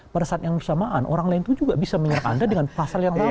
pada saat yang bersamaan orang lain itu juga bisa menyerap anda dengan pasal yang lain